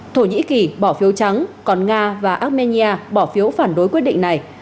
thổ nhĩ kỳ bỏ phiếu trắng còn nga và armenia bỏ phiếu phản đối quyết định này